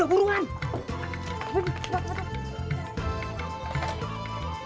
tunggu tunggu tunggu